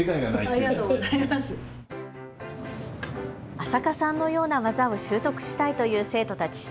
安積さんのような技を習得したいという生徒たち。